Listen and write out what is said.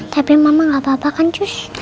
tapi mama gak apa apa kan cus